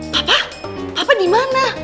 bapak bapak di mana